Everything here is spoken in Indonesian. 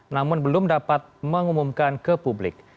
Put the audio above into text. namun belum dapat mengumumkan ke publik